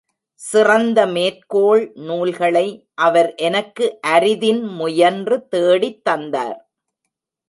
சிறந்த மேற்கோள் நூல்களை அவர் எனக்கு அரிதின் முயன்று தேடித்தந்தார்.